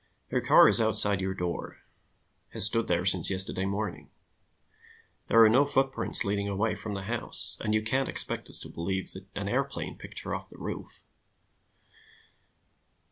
Her car is outside your door, has stood there since early yesterday morning. There are no footprints leading away from the house and you can't expect us to believe that an airplane picked her off the roof.